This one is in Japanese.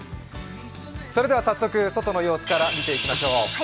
早速、外の様子から見ていきましょう。